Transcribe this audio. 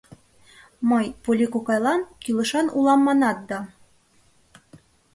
Мый Полли кокайлан кӱлешан улам манат да...